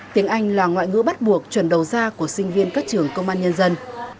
tiếng anh là ngoại ngữ bắt buộc chuẩn đầu ra của sinh viên các trường công an nhân dân